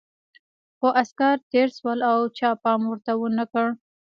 خو عسکر تېر شول او چا پام ورته ونه کړ.